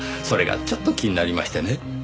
それがちょっと気になりましてね。